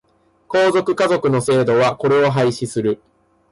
皇族、華族の制度はこれを廃止する。